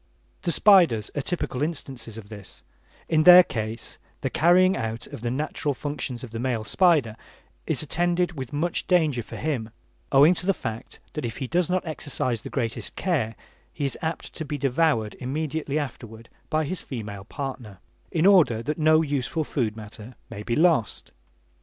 The spiders are typical instances of this: in their case the carrying out of the natural functions of the male spider is attended with much danger for him, owing to the fact that if he does not exercise the greatest care, he is apt to be devoured immediately afterward by his female partner, in order that no useful food matter may be lost.